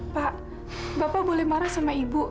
pak bapak boleh marah sama ibu